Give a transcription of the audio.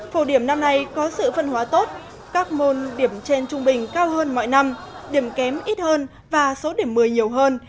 phổ điểm năm nay có sự phân hóa tốt các môn điểm trên trung bình cao hơn mọi năm điểm kém ít hơn và số điểm một mươi nhiều hơn